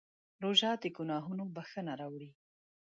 روژه د ګناهونو بښنه راوړي.